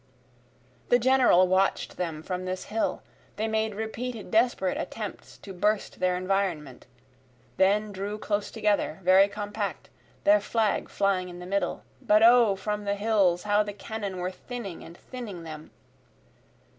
The General watch'd them from this hill, They made repeated desperate attempts to burst their environment, Then drew close together, very compact, their flag flying in the middle, But O from the hills how the cannon were thinning and thinning them!